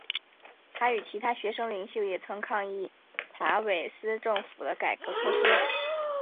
他与其他学生领袖也曾抗议查韦斯政府的改革措施。